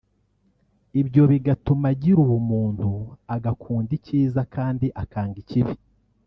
ibyo bigatuma agira ubumuntu agakunda icyiza kandi akanga ikibi